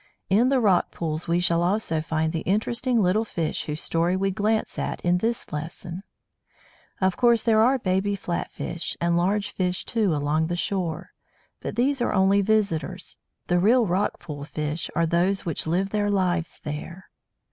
In the rock pools we shall also find the interesting little fish whose story we glance at in this lesson. Of course there are baby flat fish, and large fish too, along the shore. But these are only visitors. The real rock pool fish are those which live their lives there.